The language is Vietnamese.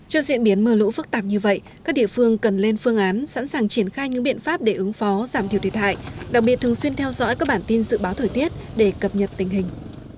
trước diễn biến mưa lũ phức tạp như vậy các địa phương cần lên phương án sẵn sàng triển khai những biện pháp để ứng phó giảm thiểu thiệt hại đặc biệt thường xuyên theo dõi các bản tin dự báo thời tiết để cập nhật tình hình